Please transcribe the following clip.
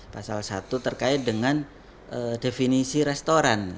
pasal satu terkait dengan definisi restoran